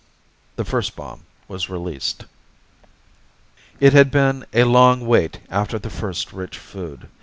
The first bomb was released. It had been a long wait after the first rich food.